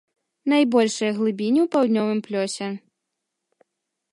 Найбольшыя глыбіні ў паўднёвым плёсе.